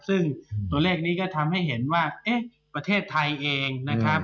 ซึ่งตัวเลขนี้ก็ทำให้เห็นว่าเอ๊ะประเทศไทยเองนะครับ